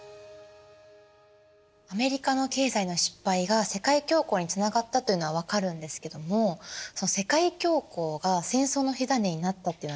アメリカの経済の失敗が世界恐慌につながったというのは分かるんですけども世界恐慌が戦争の火種になったっていうのはどういうことなんですか？